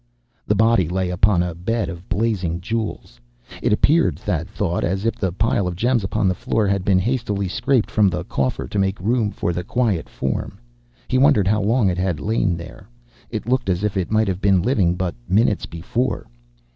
The body lay upon a bed of blazing jewels. It appeared, Thad thought, as if the pile of gems upon the floor had been hastily scraped from the coffer, to make room for the quiet form. He wondered how long it had lain there. It looked as if it might have been living but minutes before.